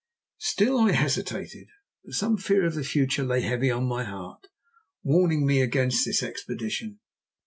Still I hesitated, for some fear of the future lay heavy on my heart, warning me against this expedition.